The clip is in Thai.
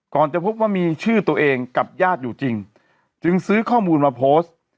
จะพบว่ามีชื่อตัวเองกับญาติอยู่จริงจึงซื้อข้อมูลมาโพสต์